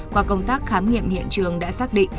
qua công tác khám nghiệm hiện trường đã xác định